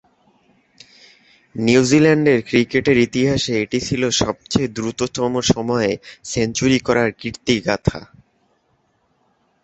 নিউজিল্যান্ডের ক্রিকেটের ইতিহাসে এটি ছিল সবচেয়ে দ্রুততম সময়ে সেঞ্চুরি করার কীর্তিগাঁথা।